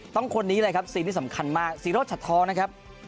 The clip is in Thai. ต้องคนนี้เลยครับสิ่งที่สำคัญมาก๔รถฉัดทอง